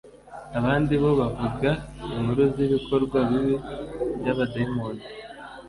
Abandi bo bavuga inkuru z’ibikorwa bibi by’abadayimoni.